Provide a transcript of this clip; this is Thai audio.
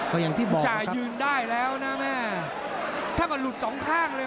ปัญหาอยู่ที่ไหลจริงเลย